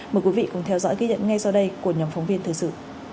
mời quý vị cùng theo dõi ký nhận ngay sau đây của nhóm phóng viên thư dự